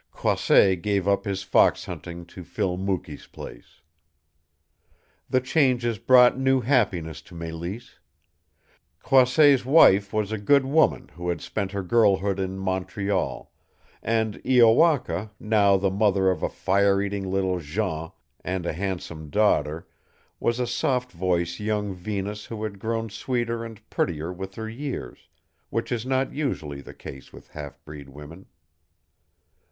Croisset gave up his fox hunting to fill Mukee's place. The changes brought new happiness to Mélisse. Croisset's wife was a good woman who had spent her girlhood in Montreal, and Iowaka, now the mother of a fire eating little Jean and a handsome daughter, was a soft voiced young Venus who had grown sweeter and prettier with her years which is not usually the case with half breed women.